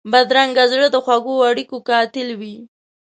بدرنګه زړه د خوږو اړیکو قاتل وي